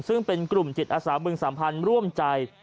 ซึ่งเป็นกลุ่มจิตอาสาบึงสัมพันธ์ร่วมใจ